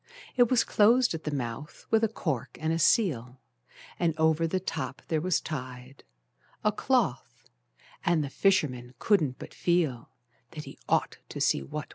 It was closed at the mouth with a cork and a seal, And over the top there was tied A cloth, and the fisherman couldn't but feel That he ought to see what was inside.